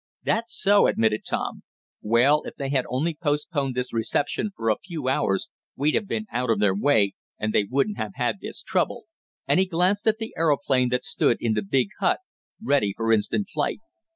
"That's so," admitted Tom. "Well, if they had only postponed this reception for a few hours we'd have been out of their way, and they wouldn't have had this trouble," and he glanced at the aeroplane, that stood in the big hut, ready for instant flight.